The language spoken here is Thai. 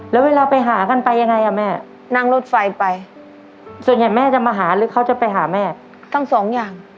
แล้วเวลาไปหากันไปยังไงอ่ะแม่นั่งรถไฟไปส่วนใหญ่แม่จะมาหาหรือเขาจะไปหาแม่ทั้งสองอย่าง